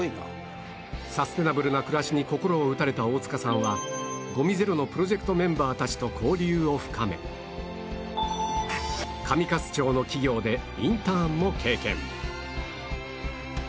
サステナブルな暮らしに心を打たれた大塚さんはごみゼロのプロジェクトメンバーたちと交流を深め上勝町の企業でインターンも経験